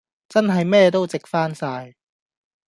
真係咩都值返曬